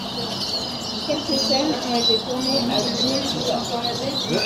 Quelques scènes ont été tournées à Jim Thorpe.